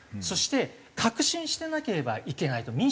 そして革新してなければいけないと。